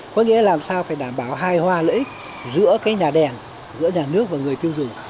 có nghĩa là làm sao phải đảm bảo hai hoa lợi ích giữa nhà đèn giữa nhà nước và người tiêu dùng